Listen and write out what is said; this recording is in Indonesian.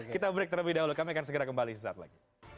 kita break terlebih dahulu kami akan segera kembali sesaat lagi